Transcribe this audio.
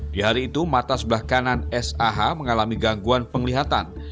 di hari itu mata sebelah kanan sah mengalami gangguan penglihatan